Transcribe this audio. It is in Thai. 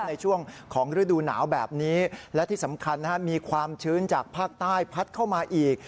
ในช่วงของฤดูหนาวแบบนี้และที่สำคัญมีความชื้นจากภาคใต้พัดเข้ามาอีก